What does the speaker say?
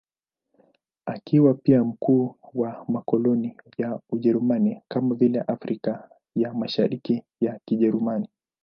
Akiwa pia mkuu wa makoloni ya Ujerumani, kama vile Afrika ya Mashariki ya Kijerumani.